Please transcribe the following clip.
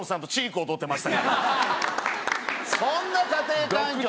そんな家庭環境で。